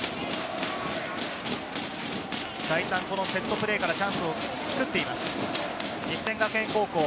再三セットプレーからチャンスを作っています。